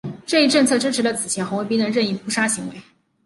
这一政策支持了此前红卫兵的任意扑杀行为。